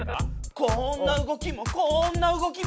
こんな動きもこんな動きも！